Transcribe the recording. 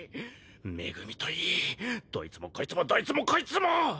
恵といいどいつもこいつもどいつもこいつも！